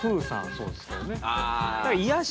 そうですけどね。